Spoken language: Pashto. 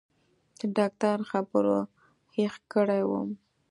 د ډاکتر خبرو هېښ کړى وم.